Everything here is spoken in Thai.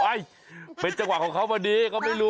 เป็นจังหวะของเขาพอดีเขาไม่รู้